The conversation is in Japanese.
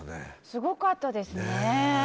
すごかったですね。